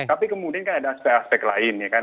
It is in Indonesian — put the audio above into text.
tapi kemudian kan ada aspek aspek lain ya kan